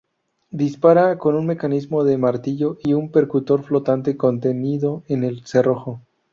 Dispara con un mecanismo de martillo y un percutor flotante contenido en el cerrojo.